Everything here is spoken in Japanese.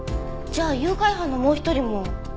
じゃあ誘拐犯のもう一人も。